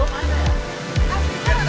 masukkan ke istana merdeka